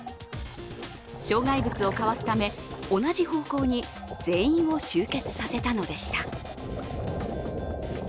障害物をかわすため、同じ方向に全員を集結させたのでした。